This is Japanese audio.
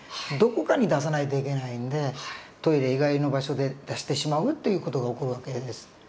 どこかに出さないといけないんでトイレ以外の場所で出してしまうっていう事が起こる訳です。